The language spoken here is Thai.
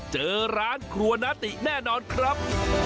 เจอร้านครัวนาติแน่นอนครับ